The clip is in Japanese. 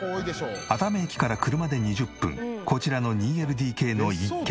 熱海駅から車で２０分こちらの２ＬＤＫの一軒家は。